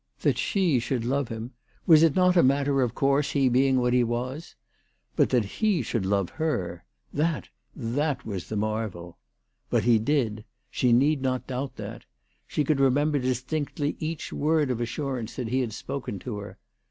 That she should love him, was it not a matter of course, he being what he was ? But that he should love her, that, that was the marvel ! But he did. She need not doubt that. She could remember distinctly each word of assurance that he had spoken to her.